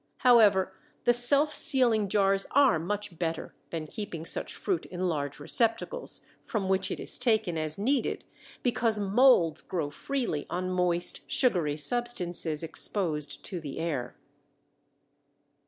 However, the self sealing jars are much better than keeping such fruit in large receptacles, from which it is taken as needed, because molds grow freely on moist, sugary substances exposed to the air.